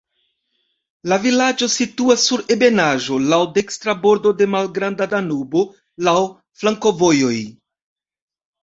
La vilaĝo situas sur ebenaĵo, laŭ dekstra bordo de Malgranda Danubo, laŭ flankovojoj.